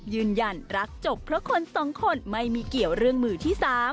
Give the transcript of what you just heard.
ยืนยันรักจบเพราะคนสองคนไม่มีเกี่ยวเรื่องมือที่๓